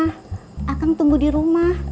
saya tunggu di rumah